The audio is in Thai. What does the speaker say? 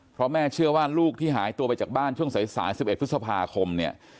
เพราะแม่เชื่อว่าลูกที่หายตัวไปจากบ้านช่วงสาย๑๑พฤษภาคมเนี่ย